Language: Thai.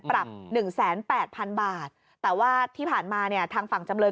ปรับหนึ่งแสนแปดพันบาทแต่ว่าที่ผ่านมาเนี่ยทางฝั่งจำเลย